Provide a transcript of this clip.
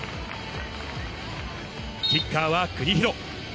キッカーは国広。